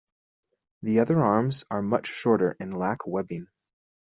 The other arms are much shorter and lack webbing.